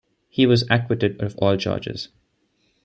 He was acquitted of all charges.